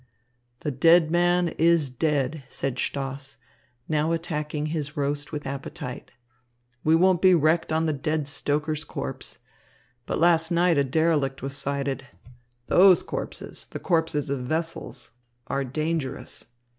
"The dead man is dead," said Stoss, now attacking his roast with appetite. "We won't be wrecked on the dead stoker's corpse. But last night a derelict was sighted. Those corpses, the corpses of vessels, are dangerous.